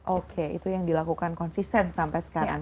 oke itu yang dilakukan konsisten sampai sekarang